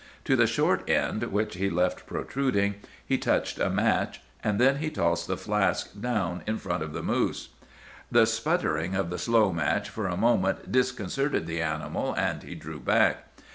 To the short end, which he left protruding, he touched a match; and then he tossed the flask down in front of the moose. "The sputtering of the slow match for a moment disconcerted the animal, and he drew back.